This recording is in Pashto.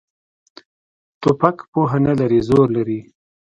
توپک پوهه نه لري، زور لري.